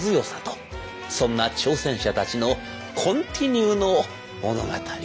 そんな挑戦者たちのコンティニューの物語でございました。